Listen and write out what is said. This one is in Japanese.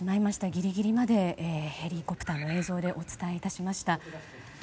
ギリギリまでヘリコプターが映像でお伝えしました。